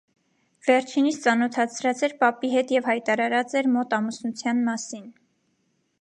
Վերջինիս ծանօթացրած էր պապի հետ եւ յայտարարած էր մօտ ամուսնութեան մասին։